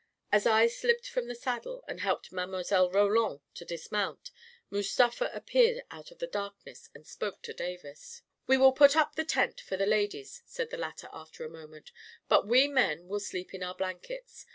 As I slipped from the saddle, and helped Mile. Roland to dismount, Mustafa appeared out of the darkness and spoke to Davis. " We will put up the tent for the ladies," said the latter, after a moment, " but we men will sleep in our blankets.